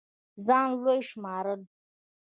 ځان لوے شمارل